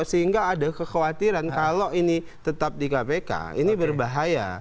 sehingga ada kekhawatiran kalau ini tetap di kpk ini berbahaya